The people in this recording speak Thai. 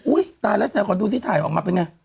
อุ้ยตายแล้วขอดูที่ถ่ายออกมาเป็นไง